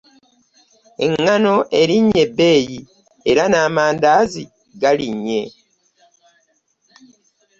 Eŋŋaano erinnye ebbeeyi era n'amandaazi galinnye.